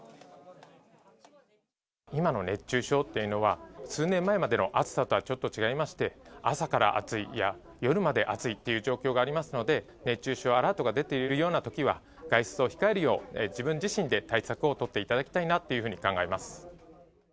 今の熱中症っていうのは、数年前までの暑さとはちょっと違いまして、朝から暑いや、夜まで暑いっていう状況がありますので、熱中症アラートが出ているようなときは、外出を控えるよう、自分自身で対策を取っていただきたいなっていうふうに考えます。